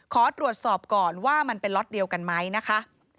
ขอตรวจสอบก่อนว่ามันเป็นล็อตเดียวกันไหมนะคะ